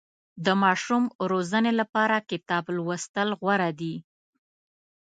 د ماشوم روزنې لپاره کتاب لوستل غوره دي.